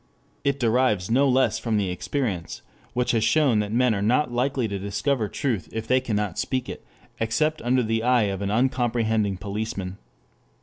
It derives no less from the experience, which has shown that men are not likely to discover truth if they cannot speak it, except under the eye of an uncomprehending policeman.